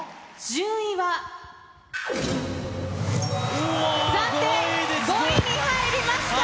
順位は暫定５位に入りました。